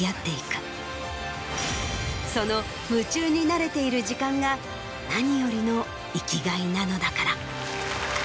その夢中になれている時間が何よりの生きがいなのだから。